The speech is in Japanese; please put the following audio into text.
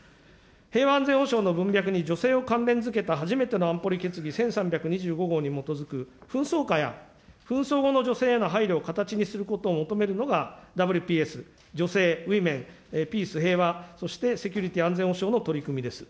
平和、安全保障の文脈に女性を関連付けた初めての安保理決議、１３２５号に基づく紛争化や紛争後の女性への配慮を形にすることを求めるのがＷＰＳ・女性・ウィメン、ピース・平和、そしてセキュリティー・安全保障の取り組みです。